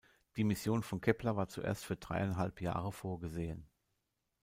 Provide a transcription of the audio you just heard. Die Mission von Kepler war zuerst für dreieinhalb Jahre vorgesehen.